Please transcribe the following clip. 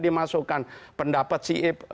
dimasukkan pendapat cip